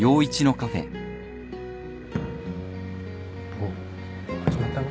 ・おっ始まったな。